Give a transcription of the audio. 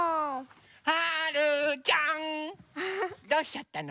はるちゃんどうしちゃったの？